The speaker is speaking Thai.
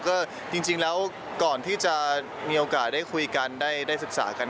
ก็จริงแล้วก่อนที่จะมีโอกาสได้คุยกันได้ศึกษากัน